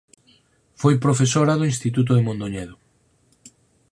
Foi profesora do Instituto de Mondoñedo.